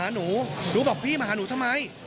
หนูหนูบอกพี่มาหาหนูทำไม